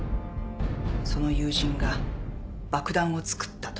その友人が爆弾を作った」と。